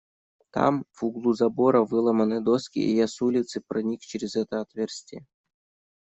Там, в углу забора, выломаны доски, и я с улицы проник через это отверстие.